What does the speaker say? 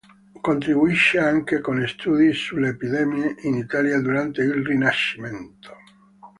Contribuisce anche con studi sulle epidemie in Italia durante il Rinascimento.